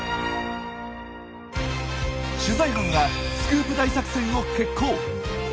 取材班はスクープ大作戦を決行。